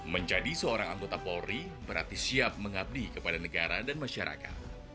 menjadi seorang anggota polri berarti siap mengabdi kepada negara dan masyarakat